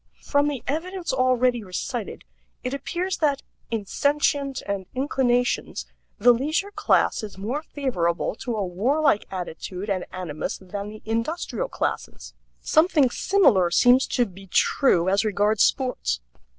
From the evidence already recited it appears that, in sentient and inclinations, the leisure class is more favorable to a warlike attitude and animus than the industrial classes. Something similar seems to be true as regards sports.